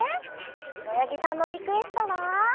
しろやぎさんのリクエストは。